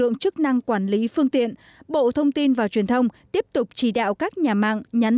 lượng chức năng quản lý phương tiện bộ thông tin và truyền thông tiếp tục chỉ đạo các nhà mạng nhắn